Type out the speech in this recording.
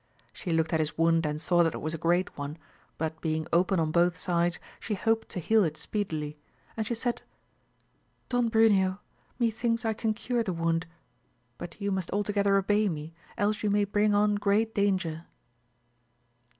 She looked at his wound and saw that it was a great one, but being open on both sides she hoped to heal it speedily ; and she said Don Bruneo, methinks I can cure the wound, but you must altogether obey me, else you may bring on great danger.